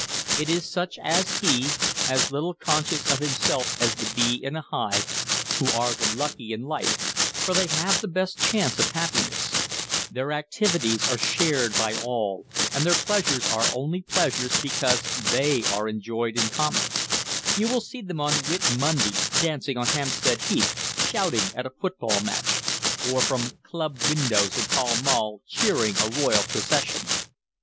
It is such as he, as little conscious of himself as the bee in a hive, who are the lucky in life, for they have the best chance of happiness: their activities are shared by all, and their pleasures are only pleasures because they are enjoyed in common; you will see them on Whit Monday dancing on Hampstead Heath, shouting at a football match, or from club windows in Pall Mall cheering a royal procession.